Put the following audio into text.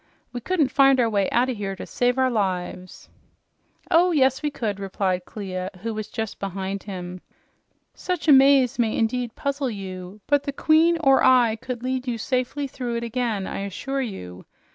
"We couldn't find our way out o' here to save our lives." "Oh yes we could," replied Clia, who was just behind him. "Such a maze may indeed puzzle you, but the queen or I could lead you safely through it again, I assure you.